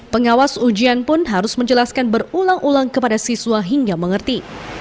pengawas ujian pun harus menjelaskan berulang ulang kepada siswa hingga mengerti